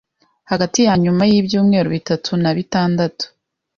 hagati ya nyuma y'ibyumweru bitatu na bitandatu